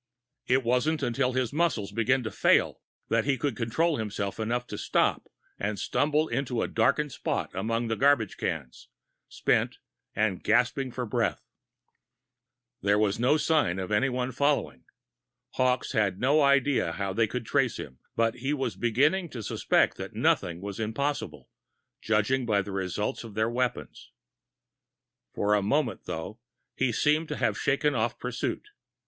It wasn't until his muscles began to fail that he could control himself enough to stop and stumble into a darkened spot among the garbage cans, spent and gasping for breath. There was no sign of anyone following. Hawkes had no idea of how they could trace him but he was beginning to suspect that nothing was impossible, judging by the results of their weapons. For the moment, though, he seemed to have shaken off pursuit.